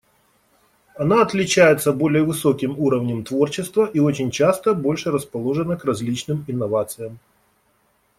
Она отличается более высоким уровнем творчества и очень часто больше расположена к различным инновациям.